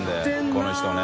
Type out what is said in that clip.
この人ね。